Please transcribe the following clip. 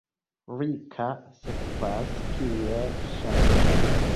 Rika, sekvas kiel ŝafido.